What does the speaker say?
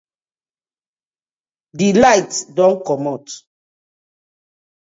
DI light don komot.